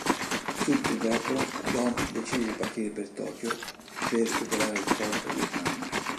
Subito dopo Dom decide di partire per Tokyo per recuperare il corpo di Han.